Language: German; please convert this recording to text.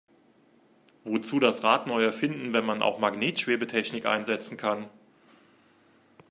Wozu das Rad neu erfinden, wenn man auch Magnetschwebetechnik einsetzen kann?